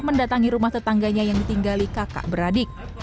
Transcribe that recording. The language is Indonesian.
mendatangi rumah tetangganya yang ditinggali kakak beradik